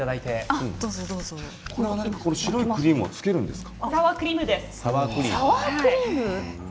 この白いクリームをつけるんですか？